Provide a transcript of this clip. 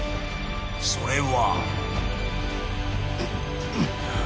［それは］